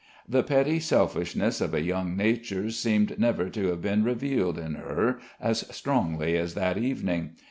The petty selfishness of a young nature seemed never to have been revealed in her as strongly as that evening.